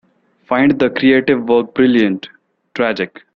Find the creative work Brilliant! Tragic!